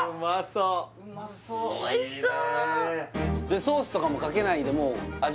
でソースとかもかけないでもう味